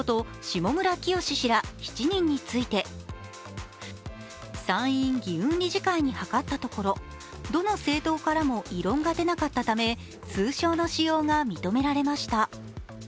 下村清氏ら７人について、参院議運理事会に諮ったところどの政党からも異論が出なかったため、通称の使用が認められました。